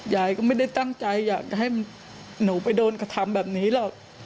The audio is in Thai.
ยายก็ไม่ได้ตั้งใจอยากให้หนูไปโดนกระทำแบบนี้หรอก